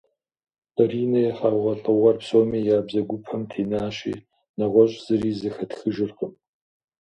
Баринэ и хьэгъуэлӏыгъуэр псоми я бзэгупэм тенащи, нэгъуэщӏ зыри зэхэтхыжыркъым.